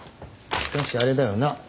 しかしあれだよな。